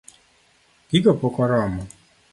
Gigo pok oromo?